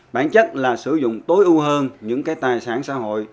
bản chất là sử dụng tối ưu hơn những cái tài sản xã hội